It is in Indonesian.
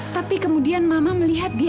tapi kemudian mama melihat dia